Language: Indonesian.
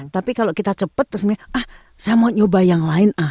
tapi kalau kita cepat saya mau nyoba yang lain